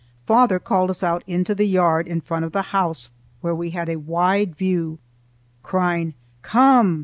Father called us out into the yard in front of the house where we had a wide view, crying, "Come!